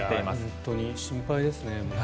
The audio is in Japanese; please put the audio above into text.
本当に心配ですね。